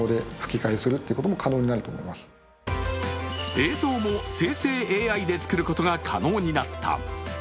映像も生成ＡＩで作ることが可能になった。